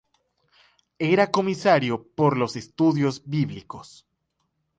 Era comisario por los estudios bíblicos.